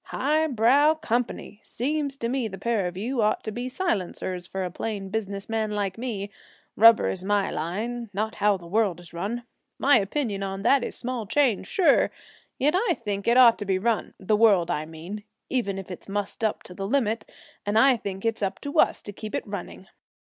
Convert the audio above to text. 'High brow company! Seems to me the pair of you ought to be silencers for a plain business man like me. Rubber is my line not how the world is run. My opinion on that is small change, sure. Yet I think it ought to be run, the world, I mean, even if it's mussed up to the limit, and I think it's up to us to keep it running.